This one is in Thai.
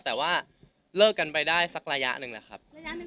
แต่ว่าเลิกกันไปได้สักระยะหนึ่งแล้วครับ